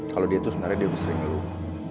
kalau dia tuh sebenarnya dia udah sering leluhur